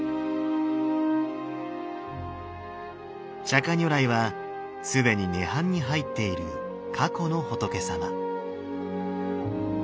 釈如来は既に涅槃に入っている過去の仏様。